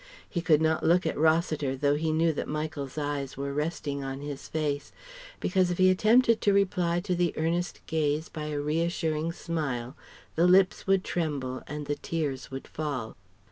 He could not look at Rossiter though he knew that Michael's eyes were resting on his face, because if he attempted to reply to the earnest gaze by a reassuring smile, the lips would tremble and the tears would fall.